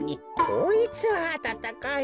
こいつはあたたかい。